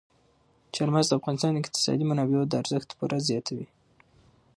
چار مغز د افغانستان د اقتصادي منابعو ارزښت پوره زیاتوي.